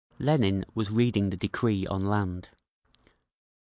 Lenin was reading the Decree on Land: (1.)